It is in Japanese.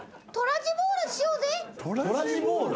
トラジボール？